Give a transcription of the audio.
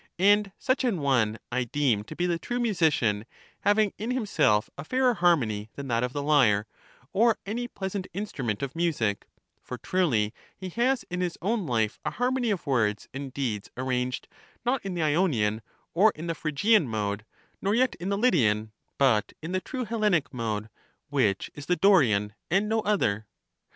And such an one I deem to be the true musician, having in himself a fairer harmony than that of the lyre, or any pleasant instrument of music; for truly he has in his own life a harmony of words and deeds arranged, not in the Ionian, or in the Phrygian mode, nor yet in the Lyd ian, but in the true Hellenic mode, which is the Do rian, and no other.